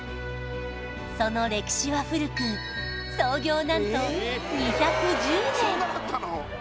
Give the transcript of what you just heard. その歴史は古く創業何と２１０年